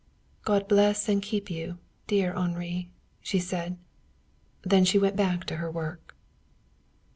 "God bless and keep you, dear Henri," she said. Then she went back to her work.